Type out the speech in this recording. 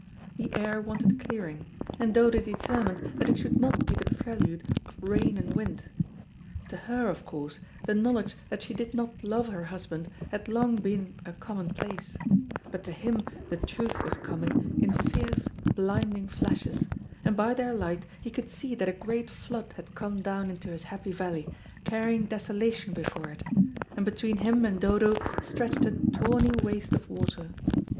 The air wanted clearing, and Dodo determined that it should not be the prelude of rain and wind. To her, of course, the knowledge that she did not love her husband had long been a commonplace, but to him the truth was coming in fierce, blinding flashes, and by their light he could see that a great flood had come down into his happy valley, carrying desolation before it, and between him and Dodo stretched a tawny waste of water.